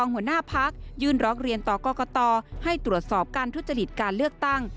ให้ตรวจสอบการทุจจฤทธิ์การเลือกตั้ง